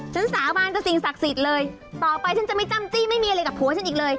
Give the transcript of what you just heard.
สาบานกับสิ่งศักดิ์สิทธิ์เลยต่อไปฉันจะไม่จ้ำจี้ไม่มีอะไรกับผัวฉันอีกเลย